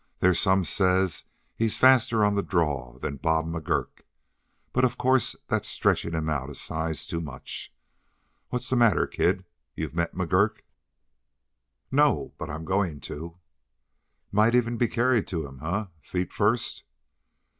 They's some says he's faster on the draw than Bob McGurk, but, of course, that's stretchin' him out a size too much. What's the matter, kid; you've met McGurk?" "No, but I'm going to." "Might even be carried to him, eh feet first?"